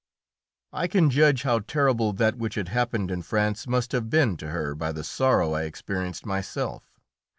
I can judge how terrible that which had happened in France must have been to her by the sorrow I experienced myself.